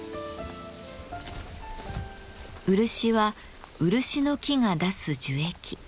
漆は漆の木が出す樹液。